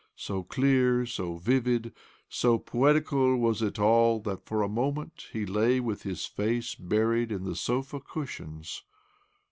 So clear, so vivid, so poetical was it all that for a moment he lay with his face buried in the sofa cushions.